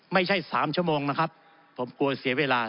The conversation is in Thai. ไม่ใช่๓ชั่วโมงนะครับผมกลัวเสียเวลา